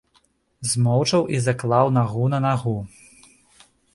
Змоўчаў і заклаў нагу на нагу.